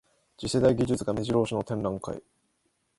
次世代技術がめじろ押しの展覧会